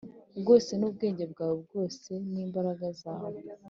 Bwose n ubwenge bwawe bwose n imbaraga zawe